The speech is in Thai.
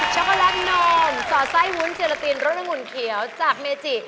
็อกโกแลตนมสอดไส้วุ้นเจลาตินรสมุ่นเขียวจากเมจิ